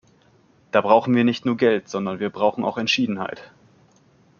Da brauchen wir nicht nur Geld, sondern wir brauchen auch Entschiedenheit.